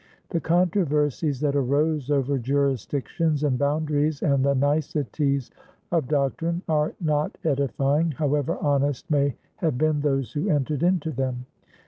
The controversies that arose over jurisdictions and boundaries and the niceties of doctrine are not edifying, however honest may have been those who entered into them.